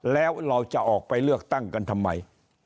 แล้วเราจะออกไปเลือกตั้งกันทำไม